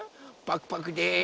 パクパクです。